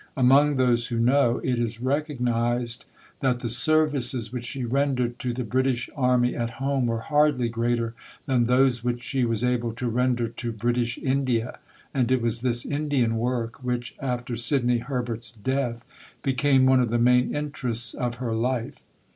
Among those who know, it is recognized that the services which she rendered to the British army at home were hardly greater than those which she was able to render to British India, and it was this Indian work which after Sidney Herbert's death became one of the main interests of her life.